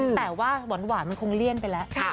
แต่ว่าหวานมันคงเลี่ยนไปแล้ว